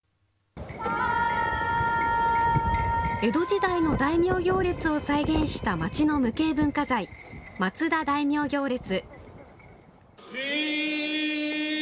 江戸時代の大名行列を再現した町の無形文化財、松田大名行列。